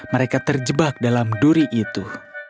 mereka terjebak dalam duri itu